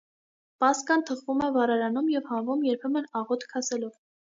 Պասկան թխվում է վառարանում և հանվում՝ երբեմն աղոթք ասելով։